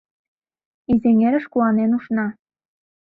Изэҥерыш куанен ушна.